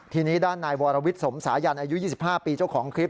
ทีนี้ด้านนายวรวิทย์สมสายันอายุ๒๕ปีเจ้าของคลิป